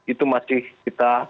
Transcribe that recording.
itu masih kita